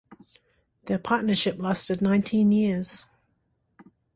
Their partnership lasted nineteen years.